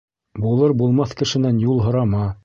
Булыр-булмаҫ кешенән юл һорама.